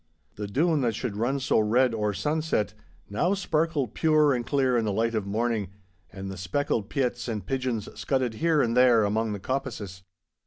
The Doon, that should run so red or sunset, now sparkled pure and clear in the light of morning, and the speckled piets and pigeons scudded here and there among the coppices.